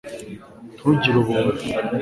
ntugire ubuntu